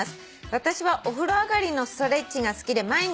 「私はお風呂上がりのストレッチが好きで毎日やってきました」